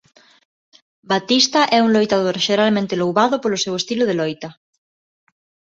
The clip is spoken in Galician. Batista é un loitador xeralmente louvado polo seu estilo de loita.